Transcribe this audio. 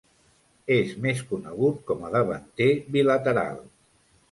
És més conegut com a davanter bilateral.